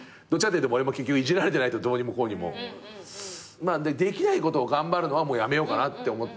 俺も結局いじられてないとどうにもこうにも。できないことを頑張るのはやめようかなって思って。